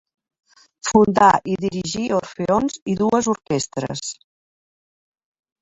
Fundà i dirigí orfeons i dues orquestres.